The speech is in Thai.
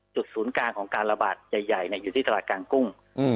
จุดศูนย์กลางของการระบาดใหญ่ใหญ่เนี่ยอยู่ที่ตลาดกางกุ้งอืม